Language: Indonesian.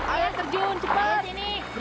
ayo terjun cepat berani nggak